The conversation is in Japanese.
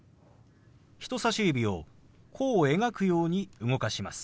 人さし指を弧を描くように動かします。